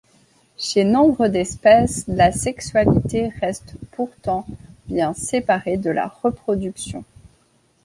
Chez nombre d'espèces, la sexualité reste pourtant bien séparée de la reproduction.